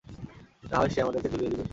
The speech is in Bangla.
নাহয় সে আমাদেরকে ঝুলিয়ে দিবে।